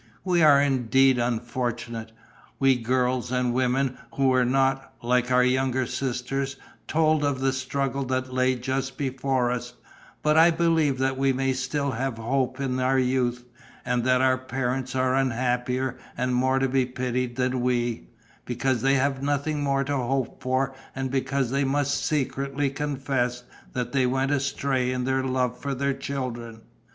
We are indeed unfortunate, we girls and women who were not, like our younger sisters, told of the struggle that lay just before us; but I believe that we may still have hope in our youth and that our parents are unhappier and more to be pitied than we, because they have nothing more to hope for and because they must secretly confess that they went astray in their love for their children.